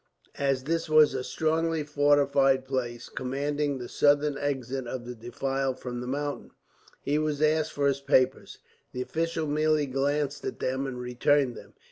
As this was a strongly fortified place, commanding the southern exit of the defile from the mountain, he was asked for his papers. The official merely glanced at them, and returned them.